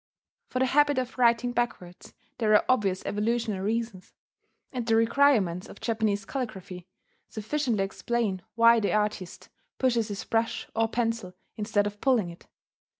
For the habit of writing backwards there are obvious evolutional reasons; and the requirements of Japanese calligraphy sufficiently explain why the artist pushes his brush or pencil instead of pulling it.